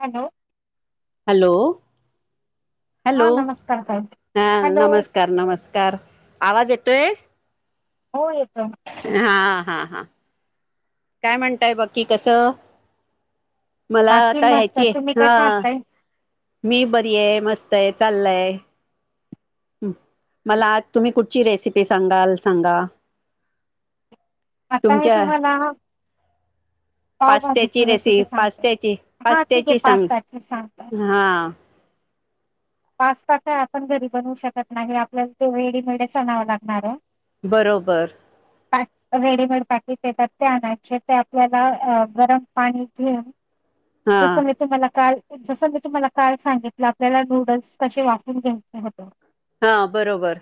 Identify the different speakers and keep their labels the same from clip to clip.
Speaker 1: Hello
Speaker 2: hello hello
Speaker 1: हा नमस्कार ताई
Speaker 2: हां
Speaker 1: हॅलो
Speaker 2: नमस्कार नमस्कार कार आवाज येतोय?
Speaker 1: हो येतोय.
Speaker 2: हा हा हा काय म्हणताय बाकी कसं? मला
Speaker 1: बाकी
Speaker 2: त
Speaker 1: मस्त
Speaker 2: ह्याची
Speaker 1: तुम्ही
Speaker 2: हा
Speaker 1: कशा आहात ताई
Speaker 2: मी बरी आहे मस्त आहे चाललंय. मला आज तुम्ही कुठची रेसिपी सांगाल सांगा?
Speaker 1: आता मी
Speaker 2: तुमच्या
Speaker 1: तुम्हांला
Speaker 2: [inaudible] पास्त्याची रेसिपी पास्त्याची
Speaker 1: हा ठीक आहे
Speaker 2: पास्त्याची सांग
Speaker 1: पास्ताची सांगता
Speaker 2: हा.
Speaker 1: पास्ता कायआपण घरी बनवू शकत नाही आपल्याला ते रेडीमेडच आणावं लागणार हो
Speaker 2: बरोबर
Speaker 1: काय रेडीमेड पॅकेट येतात ते आणायचे ते आपल्याला गरम पाणी घेऊन
Speaker 2: हा
Speaker 1: जस मी तुम्हाला काल जस मी तुम्हाला काल सांगितलं आपल्याला नूडल् स् अशे वाफवून घ्यायचे होते
Speaker 2: हा बरोबर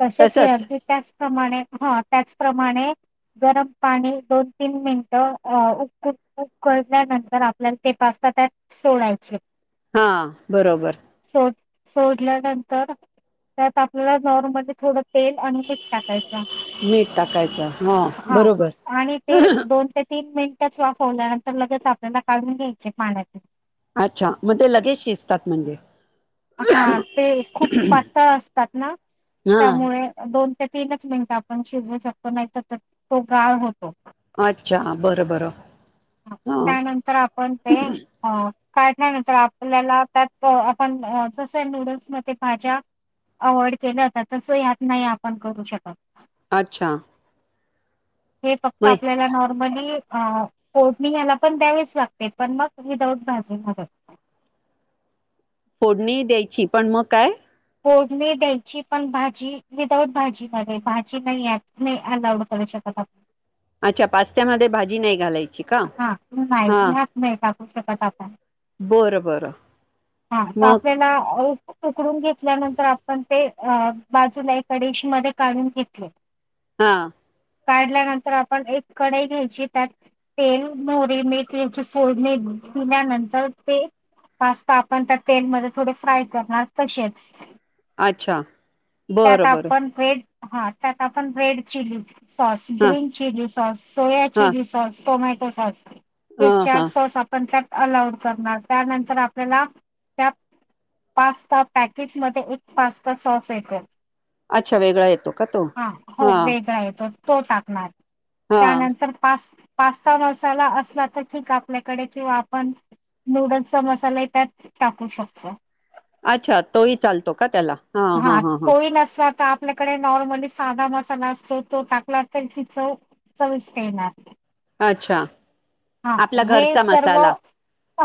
Speaker 1: तशेच हे
Speaker 2: तसच
Speaker 1: अगदी त्याचप्रमाणे ह त्याचप्रमाणे गरम पाणी दोन तीन मिनटं उक ऊकळल्यानंतर आपल्याला ते पास्ता त्यात सोडायचे.
Speaker 2: हा बरोबर
Speaker 1: सोड सोडल्यानंतर त्यात आपल्याला नॉर्मली थोडं तेल आणि मीठ टाकायचं.
Speaker 2: मीठ टाकायचं
Speaker 1: हा
Speaker 2: बरोबर
Speaker 1: आणि ते दोन ते तीन मिनीट च वाफवल्यानंतर लगेच आपल्याला काढून घ्यायचे पाण्यातून
Speaker 2: अच्छा मग ते लगेच शिजतात म्हणजे
Speaker 1: हा ते खूप पातळ असतात ना त्यामुळे
Speaker 2: हा
Speaker 1: दोन ते तीनच मिनिट आपण शिजवू शकतो नाहीतर तो गाळ होतो
Speaker 2: अच्छा बरं बरं
Speaker 1: हां.
Speaker 2: ह
Speaker 1: त्यानंतर आपण ते अ काढल्यानंतर आपल्याला त्यात आपण जसं नूडल्स मध्ये भाज्या अव्हइड केलं जत तसं यात नाही आपण करू शकत
Speaker 2: अच्छा
Speaker 1: हे फक्त
Speaker 2: मग
Speaker 1: आपल्याला नॉर्मली कोठणी या्याला पण द्यावीच लागते पण मग विदाऊट भाजी घरत
Speaker 2: फोडणी द्यायची पण मग काय
Speaker 1: फोडणी द्यायची पण भाजी विदाऊट भाजीमध्येध्ये भाजी नाही अलाऊड करू शकत आपण
Speaker 2: अच्छा पास्त्यामध्ये भाजी नाही घालायची का
Speaker 1: हा तुही माहिती
Speaker 2: हा
Speaker 1: हात नाही टाकू शकत आपण
Speaker 2: बरं बरं
Speaker 1: हा तर
Speaker 2: मग
Speaker 1: आपल्याला तुकडून घेतल्यानंतर आपण ते बाजूला एककडेशी मध्ये काढून घेतले
Speaker 2: हा
Speaker 1: काढल्यानंतर आपण एक कढई घ्यायची त्यात तेल, मोहरी, मीठ याची फोडणी दिल्यानंतर ते पास्ता आपण त्या तेलमध्ये थोडे फ्राय करणार तसेच
Speaker 2: अच्छा
Speaker 1: त्यात
Speaker 2: बरं बरं
Speaker 1: आपण रेड हा त्यात आपण रेड चिली सॉस
Speaker 2: हा
Speaker 1: ग्रीन चिली सॉस सोया
Speaker 2: हा
Speaker 1: चिली सॉस टोमॅटो सॉस हे
Speaker 2: हा
Speaker 1: चार
Speaker 2: हा
Speaker 1: सोस आपण त्यात अलाउड करणार त्यानंतर आपल्याला त्या पास्ता पॅकेट मध्ये एक पास्ता सॉस येतो
Speaker 2: अच्छा वेगळा येतो का तो
Speaker 1: हा हो, वेगळा येतो, तो टाकणार,
Speaker 2: हा
Speaker 1: त्यानंतर पाच पास्ता मसाला असला तर ठीक आपल्याकडे किंवा आपण नूडल्सचा मनालाही, त्यात टाकू शकतो.
Speaker 2: अच्छा तोही चालतो का? त्याला,
Speaker 1: हा तोही नसलात, आप ल्याकडे नॉर्मली साधा मसाला असतो, तो टाकला तर ति चव चविष्ट येणार.
Speaker 2: अच्छा.
Speaker 1: हा,
Speaker 2: आपला
Speaker 1: हे
Speaker 2: घरचा
Speaker 1: सर्व
Speaker 2: मसाला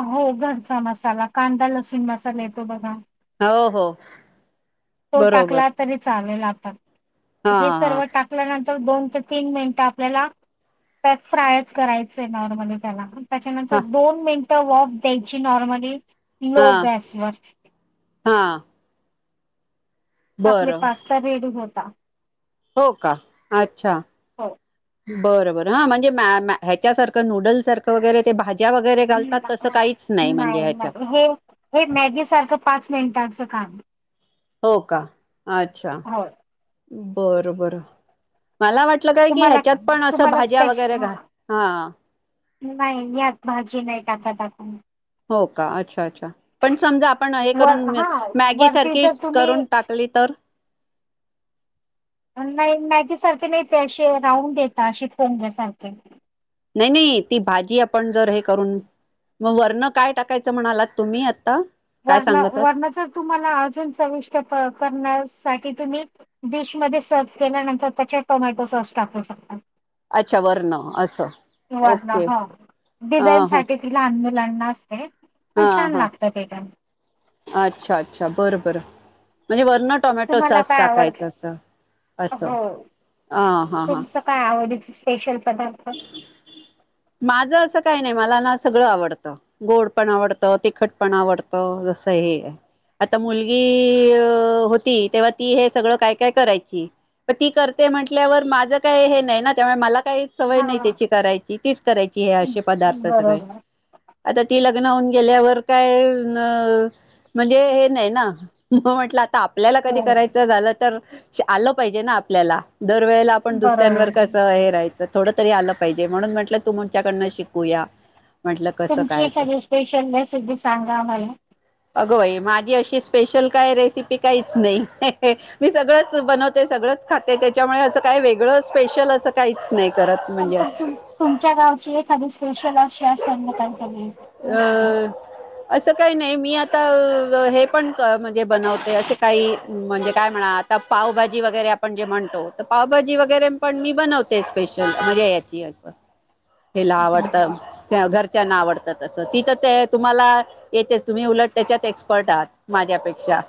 Speaker 1: हो, घरचा मसाला, कांदा लसूण मसाला येतो बघा.
Speaker 2: हो हो.
Speaker 1: तो
Speaker 2: बरोबर
Speaker 1: टाकला तरी चालेल आता,
Speaker 2: हा
Speaker 1: हे
Speaker 2: हा
Speaker 1: सर्व टाक ल्यानंतर दोन ते तीन मिनिट, आपल्याला त्यात फ्रायच करायचंय नॉर्मली त्याला. त्याच्यानंतर
Speaker 2: हा
Speaker 1: दोन मिनिटं वॉफ द्यायची नॉर्मली लो गॅसवर.
Speaker 2: हां.
Speaker 1: आपले पास्ता रेडी होता.
Speaker 2: हो का? अच्छा.
Speaker 1: हो
Speaker 2: बर बर ह म्हणजे मॉ मॉ ह्याच्या सारखं, नूडल् सारखं वगैरे ते भाजी वगैरे घालतात, तसं काहीच नाही, म्हणजे ह्याच्यात.
Speaker 1: नाही हे हे मॅगी सारखं, पाच मिनिटांचं काम,
Speaker 2: हो का? अच्छा,
Speaker 1: हो
Speaker 2: बर बर मला वाट ल का की
Speaker 1: तुम्हाला
Speaker 2: ह्याच्यात पण, अस
Speaker 1: तुम्हाला
Speaker 2: भाज्या
Speaker 1: स्पेश
Speaker 2: वगैरे घा हा.
Speaker 1: नाही, यात भाजी नाही टाकात आपूण.
Speaker 2: हो का? अच्छा अच्छा. पण समजा आपण, हे
Speaker 1: वर
Speaker 2: करून,
Speaker 1: हा
Speaker 2: मॅगी
Speaker 1: वरती
Speaker 2: सारखी
Speaker 1: जर तुम्ही
Speaker 2: करून टाकली तर.
Speaker 1: नाही मॅगी सारखे नाही, ते अशे राऊंड येता अशी पोग्या सारखे.
Speaker 2: नाही, नाही, ती, भाजी आपण, जर हे करून, मग वरण काय टाकायचं म्हणालात तुम्ही आत्ता?
Speaker 1: वर्ण वर्ण जर तुम्हाला अजून चविष्ट करण्यासाठी, तुम्ही डिशमध्ये सर्व केल्यानंतर, त्याच्यात टोमॅटो सॉस टाकू शकता.
Speaker 2: अच्छा, वर्ण असं.
Speaker 1: किंवा
Speaker 2: ओके
Speaker 1: ह,
Speaker 2: ह
Speaker 1: डिझाईन
Speaker 2: ह
Speaker 1: साठी तिला अंदोलनना असते. पण
Speaker 2: हा
Speaker 1: छान
Speaker 2: हा,
Speaker 1: लागतं ते पण
Speaker 2: अच्छा अच्छा, बर बरं, म्हणजे वर्ण टोमॅटो
Speaker 1: तुम्हाला
Speaker 2: सॉस
Speaker 1: काय आवडत?
Speaker 2: टाकायचं, असं, असं
Speaker 1: हो
Speaker 2: ह हां हां.
Speaker 1: तुमचं काय आवडीचा स्पेशल पदार्थ.
Speaker 2: माझ असं काही नाही, मला ना सगळं आवडतं. गोड पण आवडतं, तिखट पण आवडतं, जसं हे आता मुलगी अ होती, तेव्हा ती हे सगळं काय काय करायची. ती करते म्हंटल्यावर, माझं काय हे नाही ना, त्यामुळे मला काही सवय
Speaker 1: हा
Speaker 2: नाही त्याची करायची, तीच करायची, हे असे पदार्थ सगळे.
Speaker 1: बरोबर
Speaker 2: आता ती लग्न होऊन गेल्यावर, काय अ म्हणजे हे नाही ना, म म्हटलं आपल्याला
Speaker 1: हो
Speaker 2: कधी करायच झालं तर, आलं पाहिजे ना आपल्याला, दरवेळेला आपण दुसऱ्यांवर
Speaker 1: बरोबर
Speaker 2: हे राहायचं, थोड तरी आलं पाहिजे, म्हणून म्हटलं तू तुमच्याकडन शिकूया. म्हटलं कसं
Speaker 1: तुमची
Speaker 2: काय तर
Speaker 1: एखादी स्पेशल रेसिपी सांगा आम्हाला.
Speaker 2: अग बाई माझी अशी स्पेशल, काय रेसिपी काहीच नाही. मी सगळंच बनवते, सगळंच खाते, त्याच्यामुळे असं काय, वेगळं स्पेशल असं काहीच नाही. करत
Speaker 1: पण,
Speaker 2: म्हणजे
Speaker 1: तु तुमच्या गावची एखादी स्पेशल अशी असेल ना, काहीतरी रेसिपी.
Speaker 2: अं, असं काही नाही, मी आता हे पण म्हणजे बनवते, असं काही म्हणजे काय म्हणा, आता पावभाजी वगैरे आपण जे म्हणतो, त पावभाजी वगैरे पण मी बनवते स्पेशल. यायची अस, हेला आवडत, घर [inaudible] [unintelligible] त्यांना आवडतात असं तिथं ते तुम्हाला येतेच तुम्ही उलट त्याच्यात एक्सपर्ट आहात माझ्यापेक्षा.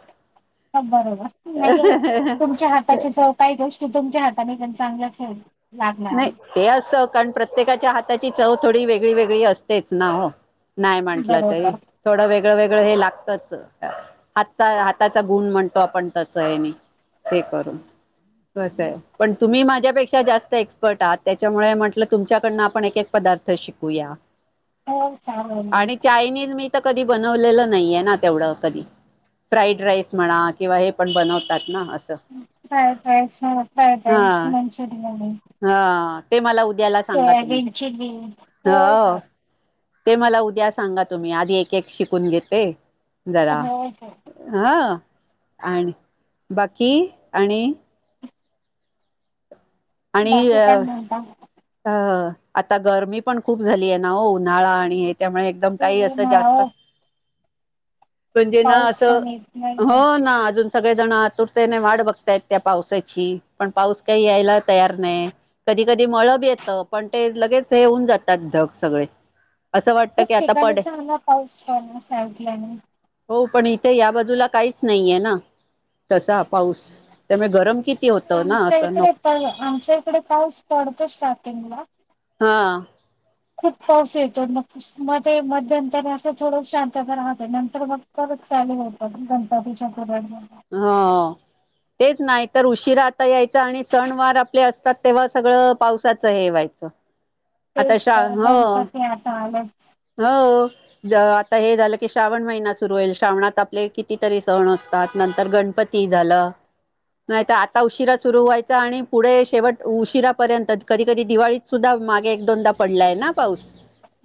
Speaker 1: ह बरोबर नाही आहे तुमच्या हाताची चव काही गोष्टी तुमच्या हाताने चांगल्याच लागणार ना.
Speaker 2: नाही ते असतं कारण प्रत्येकाच्या हाताची चव थोडी वेगळी वेगळी असतेच ना हो. नाही म्हटलं तरी.
Speaker 1: बरोबर
Speaker 2: थोडं वेगळं वेगळं हे लागतच हात हाताचा गुण म्हणतो आपण तसं आहे. ते करून कस आहे पण तुम्ही माझ्यापेक्षा जास्त ए एक्सपर्ट त्याच्यामुळे म्हंटलं तुमच्याकडनं आपण एक एक पदार्थ शिकूया.
Speaker 1: हो चालेल मग.
Speaker 2: आणि चायनीज मी तर कधी बनवलेलं नाहीये ना तेवढं कधी. फ्राईड राईस म्हणा किंवा हे पण बनवतात ना अस.
Speaker 1: फ्राईड राईस फ्राईड
Speaker 2: हा
Speaker 1: राईस मंचुरियन.
Speaker 2: हा ते मला उद्याला सांगा तुम्ही
Speaker 1: सोयाबीनची चिली
Speaker 2: हो हो. ते मला उद्या सांगा तुम्ही आधी एक एक शिकून घेते जरा.
Speaker 1: हो हो
Speaker 2: हां आणि बाकी आणि आणि
Speaker 1: बाकी
Speaker 2: अ
Speaker 1: काय म्हणता
Speaker 2: अ आता गरमी पण खूप झाली आहे ना हो उन्हाळा आणि हे त्यामुळे एकदम काही असं जास्त
Speaker 1: उन्हाळा
Speaker 2: म्हणजे ना
Speaker 1: पाऊस
Speaker 2: असं
Speaker 1: पण येत नाही
Speaker 2: हो ना अजून. सगळे जण आतुरतेने वाढ बघताय त्या पावसाची पण पाऊस काही यायला तयार नाही. कधी कधी मळब येतं पण ते लगेच हे हुन जातात ढग सगळे. असं वाटतं
Speaker 1: खूप
Speaker 2: की आता पड
Speaker 1: ठिकाणीचा चांगला पाऊस पडला साडल्याने [unintelligible]
Speaker 2: हो पण इथे या बाजूला काहीच नाहीये ना तसा पाऊस त्यामुळे गरम किती होतं ना
Speaker 1: आमच्या
Speaker 2: असं
Speaker 1: इकडे
Speaker 2: नको
Speaker 1: प आमच्या इकडे पाऊस पडतो स्टार्टिंगला.
Speaker 2: हा
Speaker 1: खूप पाऊस येतो म. म मध्यंतरी असं थोड शांतता राहत नंतर मग पर चालू होतं. गणतातीच्याकर
Speaker 2: हा तेच नाही तर उशिरा आता यायचा आणि सण वार आपले असतात तेव्हा सगळं पावसाचं हे व्हायचं. आता
Speaker 1: तेच
Speaker 2: शा
Speaker 1: तरण
Speaker 2: हो
Speaker 1: तर ते आता आलंच.
Speaker 2: हो ज आता हे झालं की श्रावण महिना सुरू होईल श्रावणात आपले कितीतरी सण असतात नंतर गणपती ती झाल. नाही तर आता उशिरा सुरू व्हायचा आणि पुढे शेवट उशिरापर्यंत कधी कधी दिवाळी सुद्धा मागे एक दोनदा पडलाय ना पाऊस..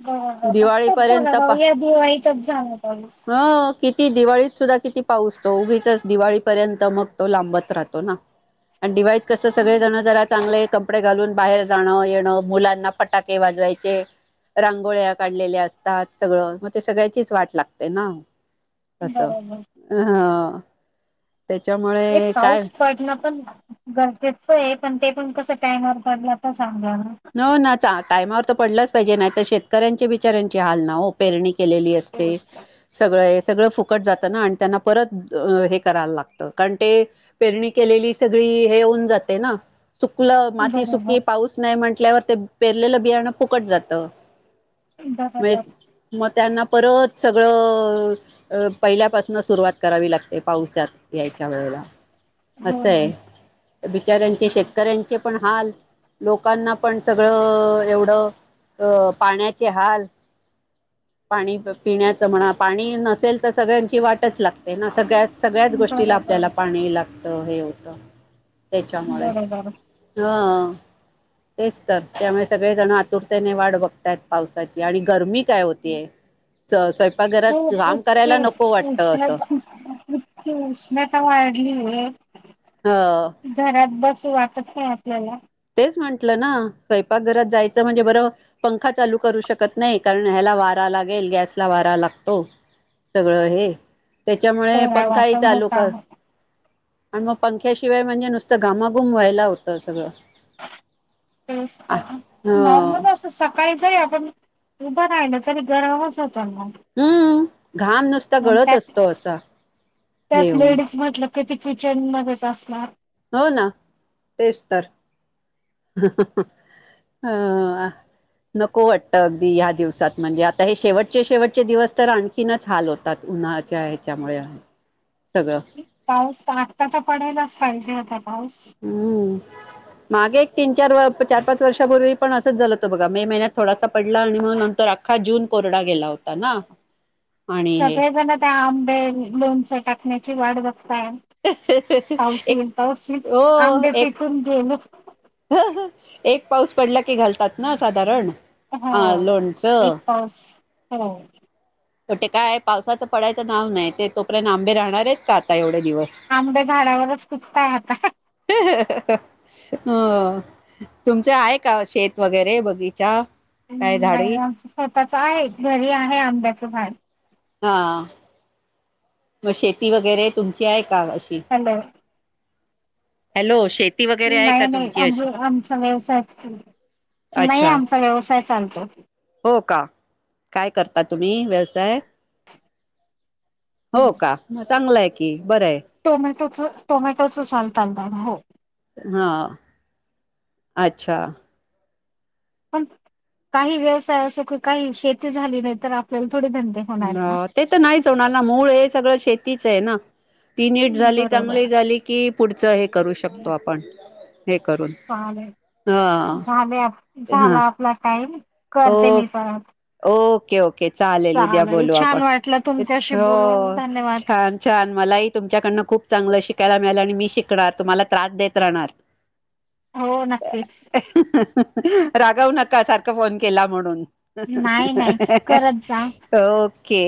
Speaker 1: गगतच
Speaker 2: दिवाळीपर्यंत
Speaker 1: झालं
Speaker 2: पा
Speaker 1: भाऊया दिवाईकच झालं पाऊस.
Speaker 2: ह किती दिवाळीत सुद्धा किती पाऊसतो उगीचच दिवाळीपर्यंत मग तो लांबत राहतो ना. आणि डदिवाळीत कसं सगळे जण जरा चांगलं कप कपडे घालून बाहेर जाणं येणं मुलांना फटाके वाजवायचे रांगोळ्या काढलेले असतात सगळं मग ते सगळ्याचीच वाट लागते ना असं.
Speaker 1: बरोबर
Speaker 2: हा त्याच्यामुळे
Speaker 1: एक पाऊस पडण पण गरजेच ए पण ते पण कस टाइमवर पडण पण चांगलं ना.
Speaker 2: हो ना टायमावर तर पडलाच पाहिजे नाही तर शेतकऱ्यांचे बिचार्यांची हाल ना हो पेरणी केलेली आहे. अस्ते
Speaker 1: तोच तर.
Speaker 2: सगळं हे सगळं फुकट जातं ना आणि त्यांना परत हे करायला लागत कारण ते पेरणी केलेली सगळी हे होऊन जाते ना. सुकलं माती
Speaker 1: बरोबर
Speaker 2: सुकी पाऊस नाही म्हटल्यावर ते पेरलेलं बियाणं फुकट जात. म
Speaker 1: बरोबर
Speaker 2: मग त्यांना परत सगळं अ पहिल्यापासून सुरुवात करावी लागते पावसात यायच्या वेळेला
Speaker 1: हो
Speaker 2: असं
Speaker 1: ना
Speaker 2: आहे बिचाऱ्यांचे शेतकऱ्यांचे पण हाल लोकांना पण सगळं एवढं अ पाण्याचे हाल पाणी पिण्याचं म्हणा पाणी नसेल तर सगळ्यांची वाटच लागते ना स गस सगळ्याच गोष्टीला आपल्याला
Speaker 1: बरोबर.
Speaker 2: पाणी लागतं हे होतं त्याच्यामुळे
Speaker 1: बरोबर
Speaker 2: हा तेच तर त्यामुळे सगळे जण आतुरतेने वाट बघतय पावसाची आणि गरमी काय होतीय स्वयंपाकघरात
Speaker 1: खूप
Speaker 2: काम करायला नको
Speaker 1: इतकी
Speaker 2: वाटतं असं
Speaker 1: उष्णता उष्णता वाढली व
Speaker 2: हा
Speaker 1: घरात बसू वाटत नाही आपल्याला
Speaker 2: तेच म्हंटलं ना स्वयंपाकघरात जायचं म्हणजे बरं पंखा चालू करू शकत नाही कारण ह्याला वारा लागेल गॅसला वारा लागतो सगळं हे त्याच्यामुळे
Speaker 1: कोहरा
Speaker 2: पंखाही
Speaker 1: वाटण
Speaker 2: चालू
Speaker 1: होत
Speaker 2: कर
Speaker 1: आहे
Speaker 2: आणि मग पंख्याशिवाय म्हणजे नुसतं घामाघूम व्हायला होतं सगळं
Speaker 1: तेच
Speaker 2: हो
Speaker 1: नॉर्मल असं स काहीतरी आपण उभं रा ना तरी गरमच होतो मग
Speaker 2: हम्म घाम नुसता गळत असतो असा हे
Speaker 1: त्यात
Speaker 2: होऊन
Speaker 1: लेडीज म्हटलं कध क्च मगच असणार
Speaker 2: हो ना तेच तर ह नको वाटतं अगदी ह्या दिवसात म्हणजे आता हे शेवटचे शेवटचे दिवस तर आणख ीनच हाल होतात उन्हाळच्या ह्याच्यामुळे सगळं
Speaker 1: पाऊस तर आत्ता तर पडायलाच पाहिजे आता पाऊस
Speaker 2: हम्म मागे एक तीन चार चार पाच वर्षापूर्वी पण असंच झालं तो बघा मे महिन्यात थोडासा पडला आणि मग नंतर अखा जून कोरडा गेला होता ना आणि
Speaker 1: सगळेजण त्या आंबे लोणचं टाकण्याची वाट बघताय
Speaker 2: हे एक
Speaker 1: तौशील तौशील
Speaker 2: हो
Speaker 1: आंबे
Speaker 2: एक
Speaker 1: फिकून गेल
Speaker 2: एक पाऊस पडला की घालतात ना साधारण
Speaker 1: हा
Speaker 2: अ
Speaker 1: एक
Speaker 2: लोणचं
Speaker 1: पास हो
Speaker 2: तेे काय पावसाचं पडायचं नाव नाही ते तोपर्यंत आंबे राहणार आहेतच का आता एवढे दिवस
Speaker 1: आंबड्या झाडावरच कुचता आता
Speaker 2: हा तुमचं आहे का शेत वगैरे बगीचा
Speaker 1: ्
Speaker 2: काय
Speaker 1: नाही
Speaker 2: झाडी
Speaker 1: आमच स्वतःच आहे घरी आहे आंब्याचं भान
Speaker 2: हा मग शेती वगैरे तुमची आहे का अशी
Speaker 1: ह
Speaker 2: हॅलो शेती वगैरे आहे का
Speaker 1: नाही नाही
Speaker 2: तुमची अशी
Speaker 1: आमज आमचा व्यवसाय नाही
Speaker 2: अच्छा
Speaker 1: आमचा व्यवसाय चालतो
Speaker 2: हो का काय करता तुम्ही व्यवसाय हो का चांगलं आहे कि बरं आहे
Speaker 1: टोमॅटोच टोमॅटोचं चालताल दान हो
Speaker 2: हां अच्छा
Speaker 1: पण काही व्यवसाय असो कि काही शेती झाली नाही तर आपल्याला थोडी धंड
Speaker 2: ह ते तर नाहीच होणार ना मूळ हे सगळं शेतीच आहे ना तीन इट झाली चांगली
Speaker 1: बरोबर
Speaker 2: झाली की पुढच हे करू शकतो आपण हे करून
Speaker 1: चाले
Speaker 2: हा
Speaker 1: ले
Speaker 2: हा
Speaker 1: झाला आपला टाइम
Speaker 2: ओ
Speaker 1: करते मी परत
Speaker 2: ओके ओके चालेल उद्या बोलू आपण
Speaker 1: छान वाटलं तुमच्याशी बोलून धन्यवाद.
Speaker 2: छान छान मलाही तुमच्याकडनं खूप चांगलं शिकायला मिळेलं आणि मी शिकणार तुम्हाला त्रास देत राहणार. [inaudible]
Speaker 1: हो नक्कीच.
Speaker 2: रागव नका सारखं फोन केला म्हणून.
Speaker 1: नाही नाही करत जा.
Speaker 2: ओके.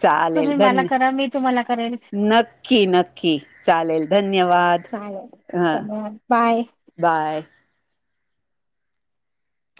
Speaker 2: चालेल
Speaker 1: तुम्ही मला
Speaker 2: धन्य
Speaker 1: करा मी तुम्हाला करेल.
Speaker 2: नक्की नक्की चालेल धन्यवाद
Speaker 1: चालेल
Speaker 2: हं.
Speaker 1: धन्यवाद बाय.
Speaker 2: बाय.